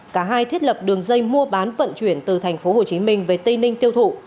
cả hai thiết lập đường dây mua bán vận chuyển từ tp hcm về tây ninh tiêu thụ